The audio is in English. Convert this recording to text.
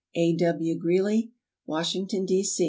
A. W. Greely. Washington, D.